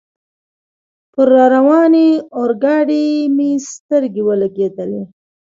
پر را روانې اورګاډي مې سترګې ولګېدلې.